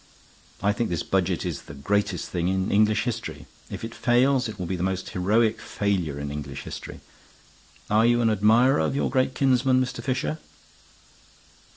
I think this Budget is the greatest thing in English history. If it fails, it will be the most heroic failure in English history. Are you an admirer of your great kinsman, Mr. Fisher?"